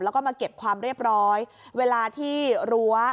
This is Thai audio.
แล้วก็มาเก็บความเรียบร้อยเวลาที่รั้ว